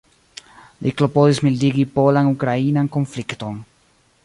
Li klopodis mildigi polan-ukrainan konflikton.